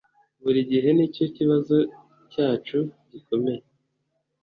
Buri gihe nicyo kibazo cyacu gikomeye.